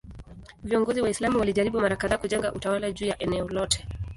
Viongozi Waislamu walijaribu mara kadhaa kujenga utawala juu ya eneo lote.